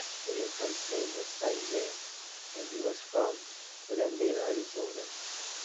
The infant's name was Thais Baer, and he was from Glendale, Arizona.